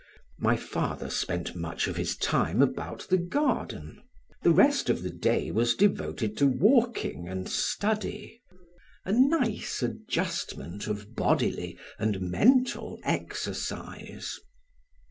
My father spent much of his time about the garden; the rest of the day was devoted to walking and study, a nice adjustment of bodily and mental exercise.